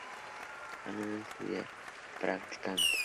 Anneliese es judía practicante.